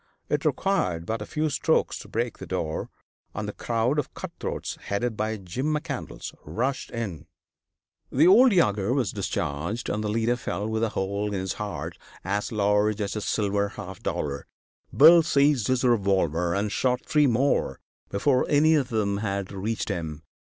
It required but a few strokes to break the door, and the crowd of cut throats, headed by Jim McCandlas, rushed in. The old yager was discharged, and the leader fell with a hole in his heart as large as a silver half dollar. Bill seized his revolver and shot three more before any of them had reached him.